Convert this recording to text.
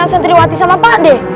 sentriwati sama pak deh